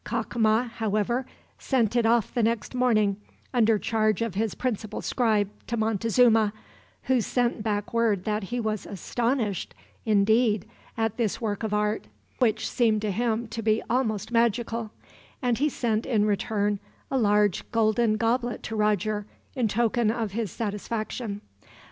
Cacama, however, sent it off the next morning under charge of his principal scribe to Montezuma, who sent back word that he was astonished, indeed, at this work of art, which seemed to him to be almost magical; and he sent, in return, a large golden goblet to Roger, in token of his satisfaction.